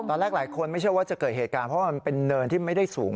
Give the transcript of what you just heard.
หลายคนไม่เชื่อว่าจะเกิดเหตุการณ์เพราะว่ามันเป็นเนินที่ไม่ได้สูง